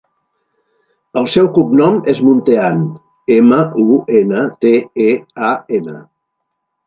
El seu cognom és Muntean: ema, u, ena, te, e, a, ena.